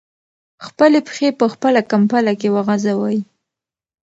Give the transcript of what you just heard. خپلې پښې په خپله کمپله کې وغځوئ.